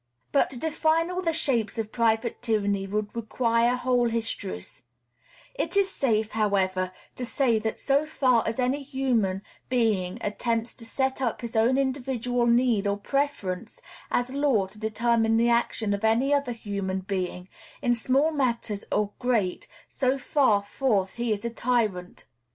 But to define all the shapes of private tyranny would require whole histories; it is safe, however, to say that so far as any human being attempts to set up his own individual need or preference as law to determine the action of any other human being, in small matters or great, so far forth he is a tyrant.